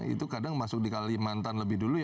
itu kadang masuk di kalimantan lebih dulu